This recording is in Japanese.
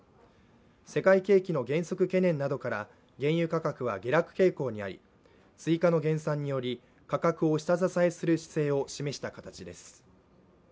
世界刑期の減速懸念などから原油価格は下落傾向にあり追加の減産により価格を下支えする姿勢を示した形です。